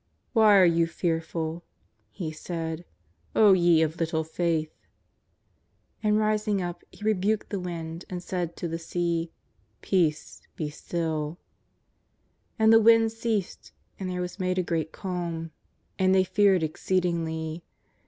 " Why are you fearful," He said, " O ye of little faith!" And rising up He rebuked the wind, and said to the sea: " Peace, be still I " And the wind ceased, and there was made a great calm. And they feared exceedingly.